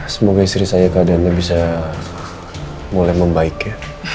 semoga istri saya keadaannya bisa mulai membaik ya